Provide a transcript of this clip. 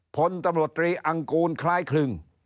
พลตำรวจตรีอังกูลคล้ายคลึง